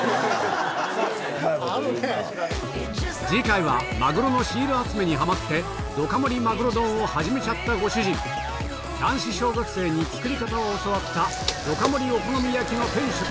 次回はマグロのシール集めにハマってどか盛りマグロ丼を始めちゃったご主人男子小学生に作り方を教わったどか盛りお好み焼きの店主